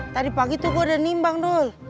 tadi pagi tuh gua udah nimbang dul